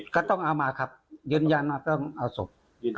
ก็ต้องเอามาครับยืนยันว่าต้องเอาศพ